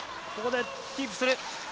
ここでキープする。